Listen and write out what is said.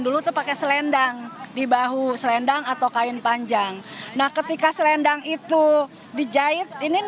dulu terpakai selendang dibahu selendang atau kain panjang nah ketika selendang itu dijahit ini